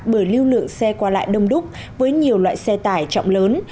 bởi lưu lượng xe qua lại đông đúc với nhiều loại xe tải trọng lớn